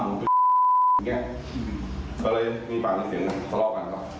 ดึงปุ๊บมันเหมือนว่าไฟออกดด